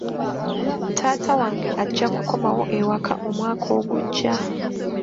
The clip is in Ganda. Taata wange ajja kukomawo ewaka omwaka ogujja.